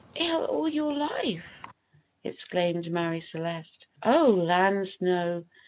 "Ill all your life!" exclaimed Marie Celeste. "Oh lands, no!